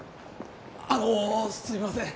あのすみません。